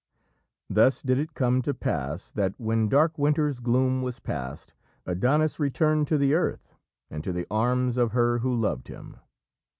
Thus did it come to pass that when dark winter's gloom was past, Adonis returned to the earth and to the arms of her who loved him.